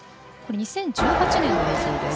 ２０１８年の映像です。